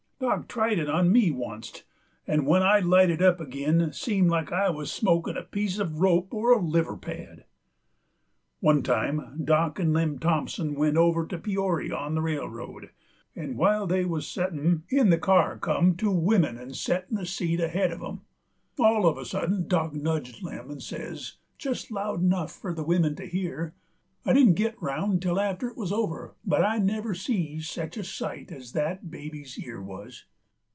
Dock tried it on me oncet, 'nd when I lighted up ag'in seemed like I wuz smokin' a piece uv rope or a liver pad. One time Dock 'nd Lem Thompson went over to Peory on the railroad, 'nd while they wuz settm' in the car in come two wimmin 'nd set in the seat ahead uv 'em. All uv a suddint Dock nudged Lem 'nd says, jest loud enuff fur the wimmin to hear: "I didn't git round till after it wuz over, but I never see sech a sight as that baby's ear wuz."